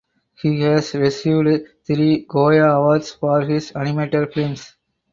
He has received three Goya Awards for his animated films.